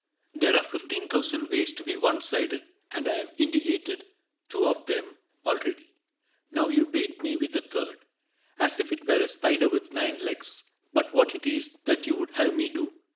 There are fifteen thousand ways to be one sided. And I have indicated two of them Already. Now you bait me with a third — As if it were a spider with nine legs ; But what it is that you would have me do.